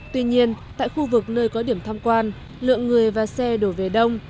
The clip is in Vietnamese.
tuy nhiên tại khu vực nơi có điểm tham quan lượng người và xe đổ về đông